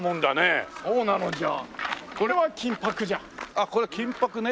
あっこれ金箔ね。